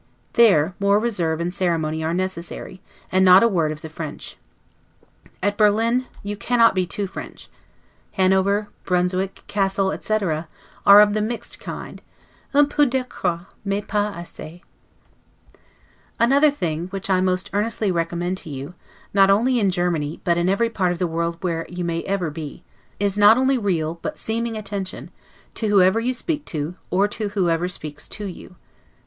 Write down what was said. There, more reserve and ceremony are necessary; and not a word of the French. At Berlin, you cannot be too French. Hanover, Brunswick, Cassel, etc., are of the mixed kind, 'un peu decrottes, mais pas assez'. Another thing, which I most earnestly recommend to you, not only in Germany, but in every part of the world where you may ever be, is not only real, but seeming attention, to whoever you speak to, or to whoever speaks to you.